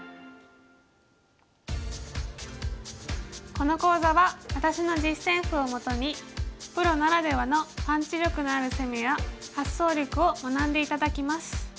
この講座は私の実戦譜をもとにプロならではのパンチ力のある攻めや発想力を学んで頂きます。